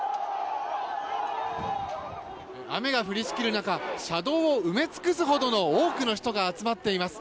雨が降りしきる中車道を埋め尽くすほどの多くの人が集まっています。